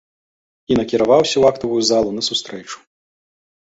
І накіраваўся ў актавую залу на сустрэчу.